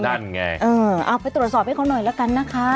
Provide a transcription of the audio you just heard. นั่นไงเออเอาไปตรวจสอบให้เขาหน่อยละกันนะคะ